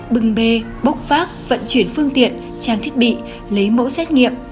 bưng bê bốc phác vận chuyển phương tiện trang thiết bị lấy mẫu xét nghiệm